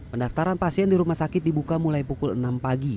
pendaftaran pasien di rumah sakit dibuka mulai pukul enam pagi